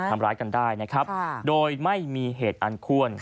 ทำร้ายกันได้นะครับโดยไม่มีเหตุอันควร